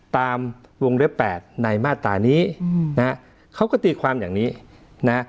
ตามวงเล็บแปดในมาตรานี้นะฮะเขาก็ตีความอย่างนี้นะ